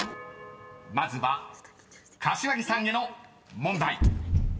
［まずは柏木さんへの問題］